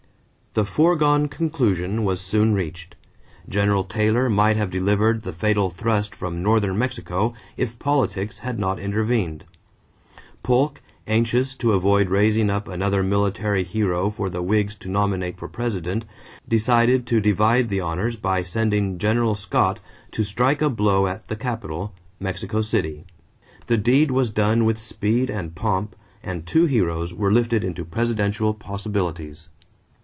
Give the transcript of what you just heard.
= The foregone conclusion was soon reached. General Taylor might have delivered the fatal thrust from northern Mexico if politics had not intervened. Polk, anxious to avoid raising up another military hero for the Whigs to nominate for President, decided to divide the honors by sending General Scott to strike a blow at the capital, Mexico City. The deed was done with speed and pomp and two heroes were lifted into presidential possibilities.